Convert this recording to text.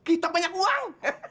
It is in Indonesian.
kita banyak uang